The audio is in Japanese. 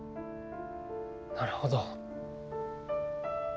なるほど。